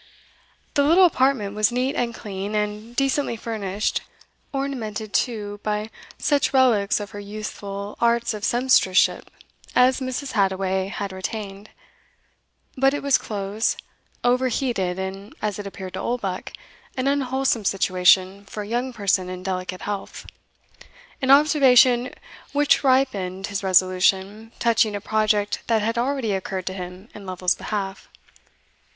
The little apartment was neat and clean, and decently furnished ornamented, too, by such relics of her youthful arts of sempstress ship as Mrs. Hadoway had retained; but it was close, overheated, and, as it appeared to Oldbuck, an unwholesome situation for a young person in delicate health, an observation which ripened his resolution touching a project that had already occurred to him in Lovel's behalf.